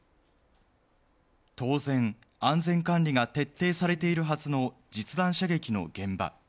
当然、安全管理が徹底されているはずの実弾射撃の現場。